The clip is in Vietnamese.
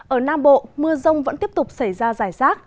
ở nam bộ mưa rông vẫn tiếp tục xảy ra giải rác